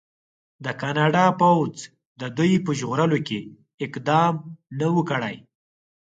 د کاناډا پوځ د دوی په ژغورلو کې اقدام نه و کړی.